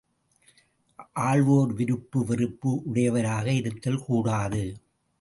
ஆள்வோர் விருப்பு வெறுப்பு உடையவராக இருத்தல் கூடாது.